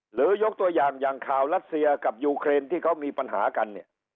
ยกตัวอย่างอย่างข่าวรัสเซียกับยูเครนที่เขามีปัญหากันเนี่ย